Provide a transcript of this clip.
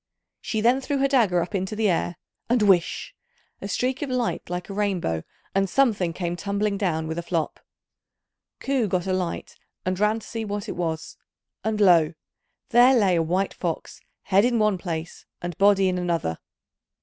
She then threw her dagger up into the air, and whish! a streak of light like a rainbow, and something came tumbling down with a flop. Ku got a light, and ran to see what it was; and lo! there lay a white fox, head in one place and body in another.